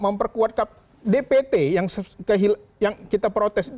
memperkuat dpt yang kita protes